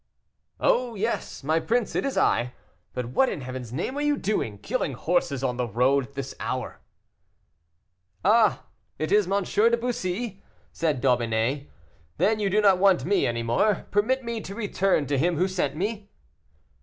"Oh! yes, my prince, it is I. But what, in Heaven's name are you doing, killing horses on the road at this hour?" "Ah! is it M. de Bussy?" said D'Aubigné, "then you do not want me any more. Permit me to return to him who sent me?"